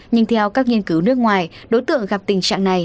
nhưng theo các nghiên cứu nước ngoài đối tượng gặp tình trạng này